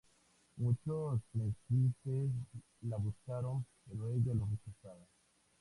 Muchos príncipes la buscaron pero ella los rechazaba.